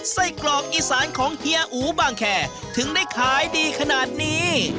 ไส้กรอกอีสานของเฮียอูบางแคร์ถึงได้ขายดีขนาดนี้